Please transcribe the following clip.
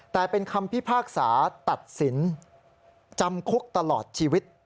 แต่เป็นคำพิพากษาตัดสินจำคุกตลอดชีวิต